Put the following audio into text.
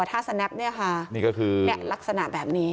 ท่าสแนปเนี่ยคือลักษณะแบบนี้